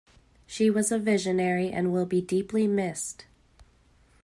She was a visionary and will be deeply missed.